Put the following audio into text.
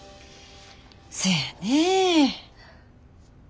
そやねぇ。